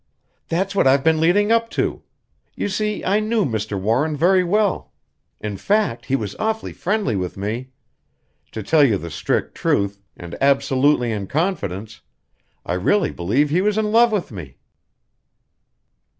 "That's what I've been leading up to. You see, I knew Mr. Warren very well. In fact, he was awfully friendly with me. To tell you the strict truth, and absolutely in confidence, I really believe he was in love with me!"